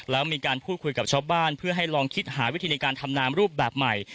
แล้วมีการพูดคุยกับชาวบ้านเพื่อให้ลองคิดหาวิธีในการทำนามรูปแบบใหม่